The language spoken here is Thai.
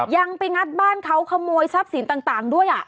ยังไปงัดบ้านเขาขโมยทรัพย์สินต่างด้วย